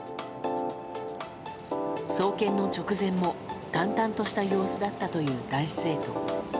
送検の直前も淡々とした様子だったという男子生徒。